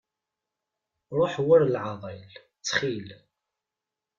Ruḥ war leεḍil, ttxil.